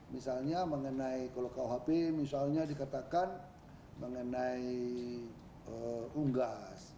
misalnya mengenai kalau kuhp misalnya dikatakan mengenai unggas